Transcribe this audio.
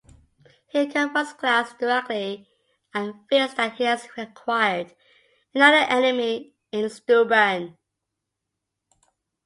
He confronts Glass directly and feels that he has acquired another enemy in Steuben.